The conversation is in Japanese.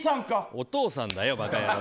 お父さんだよ。